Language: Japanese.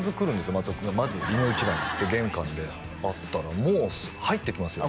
松尾君がまずいの一番に玄関で会ったらもう入ってきますよね